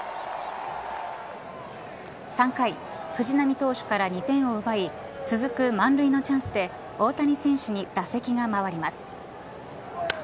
３回、藤浪投手から２点を奪い続く満塁のチャンスで大谷選手に打席が回ります。